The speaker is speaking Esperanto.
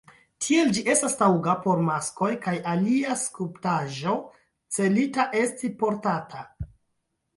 Tiel ĝi estas taŭga por maskoj kaj alia skulptaĵo celita esti portata.